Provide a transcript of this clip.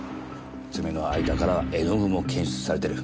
爪の間から絵の具も検出されている。